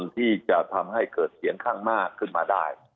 ที่จะทำให้เกิดเสียงข้างมากขึ้นมาได้